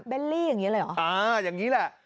ลี่อย่างนี้เลยเหรออ่าอย่างนี้แหละ